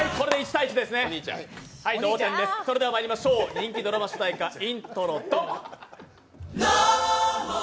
人気ドラマ主題歌イントロドン。